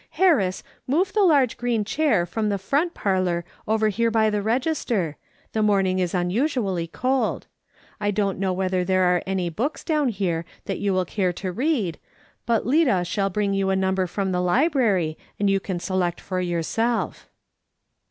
Harris, move the large green chair from the front parlour over here by the register — the morning is unusually cold. I don't know whether there are any books down here that you will care to read, but Lida shall • 'PERM A PS SHE'S RIGHTr 1 1 9 bring you a number from the library, and you can select for yourself."